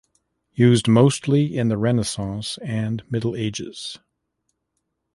Used mostly in the Renaissance and Middle Ages.